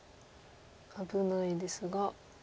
危ないですが。